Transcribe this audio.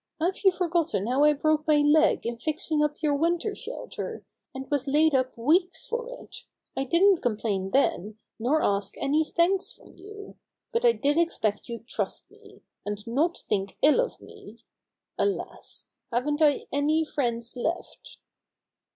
Hare you forgotten how I broke my leg in fixing up your winter shelter, and was laid up weeks for it? I didn't complain then, nor ask any thanks from you. But I did expect you'd trust me, and not think ill of me. Alas! Haven't I any friends left?"